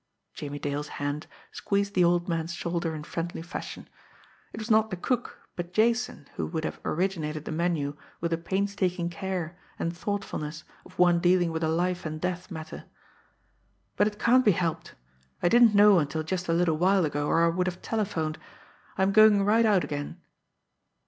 Jimmie Dale's hand squeezed the old man's shoulder in friendly fashion. It was not the cook, but Jason, who would have originated the menu with the painstaking care and thoughtfulness of one dealing with a life and death matter. "But it can't be helped. I didn't know until just a little while ago, or I would have telephoned. I am going right out again."